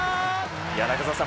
中澤さん